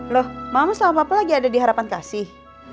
loh mama selama papa lagi ada di harapan kasih